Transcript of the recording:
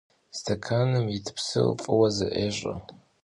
Stekanım yit psır f'ıue ze'ış'e.